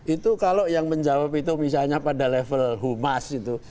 itu kalau yang menjawab itu misalnya pada level humas itu